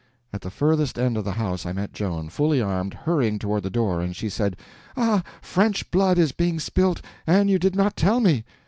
At the furthest end of the house I met Joan, fully armed, hurrying toward the door, and she said: "Ah, French blood is being spilt, and you did not tell me."